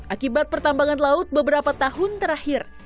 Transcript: akibat pertambangan laut beberapa tahun terakhir